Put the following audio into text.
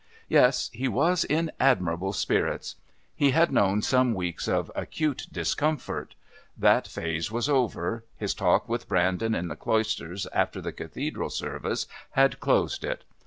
Yes, he was in admirable spirits. He had known some weeks of acute discomfort. That phase was over, his talk with Brandon in the Cloisters after the Cathedral service had closed it.